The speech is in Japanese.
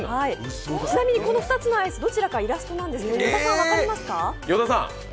ちなみに、この２つの絵、どちらかイラストなんですが与田さん分かりますか？